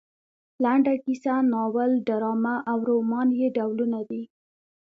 لنډه کیسه ناول ډرامه او رومان یې ډولونه دي.